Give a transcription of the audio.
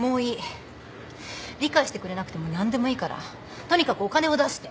理解してくれなくても何でもいいからとにかくお金を出して。